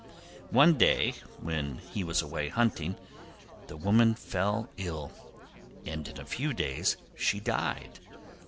One day, when he was away hunting, the woman fell ill, and in a few days she died.